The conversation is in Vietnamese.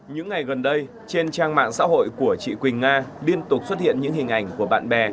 những ngày gần đây trên trang mạng xã hội của chị quỳnh nga liên tục xuất hiện những hình ảnh của bạn bè